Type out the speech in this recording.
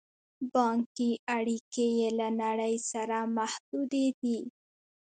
بانکي اړیکې یې له نړۍ سره محدودې دي.